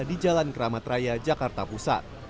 di jalan keramat raya jakarta pusat